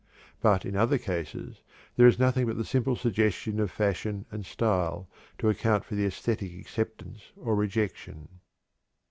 But in other cases there is nothing but the simple suggestion of fashion and style to account for the æsthetic acceptance or rejection.